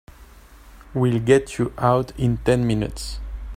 We'll get you out in ten minutes.